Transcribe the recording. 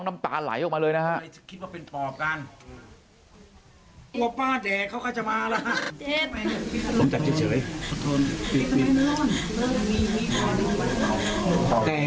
น้ำตาไหลออกมาเลยนะฮะ